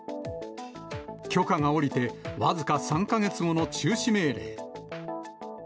許可が下りて、僅か３か月後の中止命令。